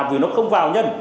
vì nó không vào nhân